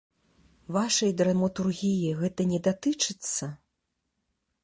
Вашай драматургіі гэта не датычыцца?